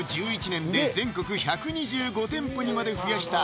１１年で全国１２５店舗にまで増やした